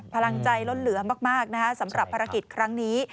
พลังใจล้นเหลือมากสำหรับภารกิจครั้งนี้